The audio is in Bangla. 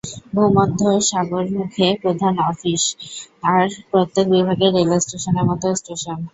ভূমধ্যসাগরমুখে প্রধান আফিস, আর প্রত্যেক বিভাগেই রেল ষ্টেশনের মত ষ্টেশন।